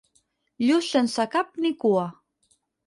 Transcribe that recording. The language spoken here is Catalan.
Lluç sense cap ni cua.